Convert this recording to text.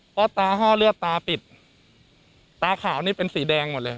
เพราะตาห้อเลือดตาปิดตาขาวนี่เป็นสีแดงหมดเลย